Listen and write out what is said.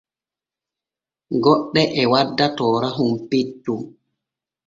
Goɗɗe e wadda toorahon petton.